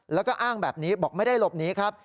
แล้วก็อ้างแบบนี้บอกไม่ได้หลบหนีครับ